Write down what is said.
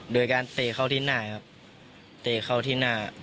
โดยการเตะเข้าที่หน้าครับเตะเข้าที่หน้า